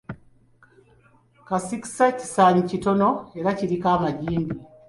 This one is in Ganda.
Kasikisa kisaanyi kitono era kiriko amagimbi.